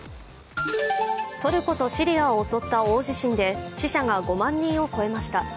トルコとシリアを襲った大地震で死者が５万人を超えました。